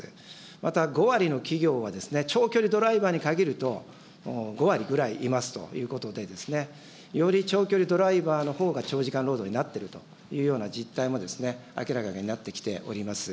また、５割の企業は、長距離ドライバーに限ると５割ぐらいいますということで、より長距離ドライバーのほうが長時間労働になっているというような実態も明らかになってきております。